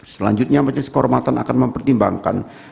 selanjutnya majelis kehormatan akan mempertimbangkan kedua hal